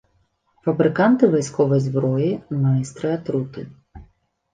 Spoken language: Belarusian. Фабрыканты вайсковай зброі, майстры атруты.